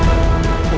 amu ibunya sekarang